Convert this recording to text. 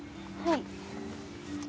はい。